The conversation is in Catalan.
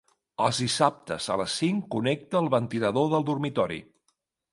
Els dissabtes a les cinc connecta el ventilador del dormitori.